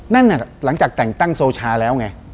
นั่นน่ะหลังจากแต่งตั้งโซชาแล้วไง